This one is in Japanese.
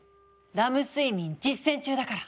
「ラム睡眠」実践中だから！